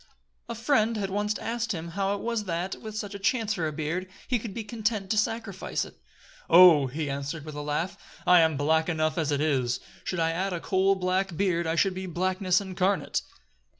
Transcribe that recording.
A friend had once asked him how it was that, with such a chance for a beard, he could be content to sacrifice it. "Oh!" he had answered with a laugh, "I am black enough as it is; should I add a coal black beard, I should be blackness incarnate."